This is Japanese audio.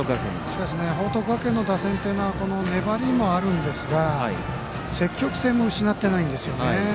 しかし報徳学園の打線というのは粘りもあるんですが積極性も失っていないんです。